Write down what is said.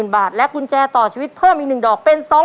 บาทและกุญแจต่อชีวิตเพิ่มอีก๑ดอกเป็น๒๐๐